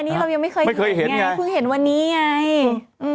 อันนี้เรายังไม่เคยเห็นไงเพิ่งเห็นวันนี้ไงไม่เคยเห็นไง